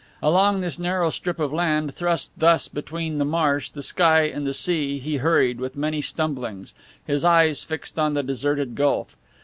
Along this narrow strip of land thrust thus between the marsh, the sky and the sea, he hurried, with many stumblings, his eyes fixed on the deserted gulf.